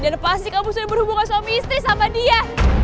dan pasti kamu sudah berhubungan suami istri sama dia